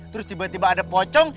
terus tiba tiba ada pocong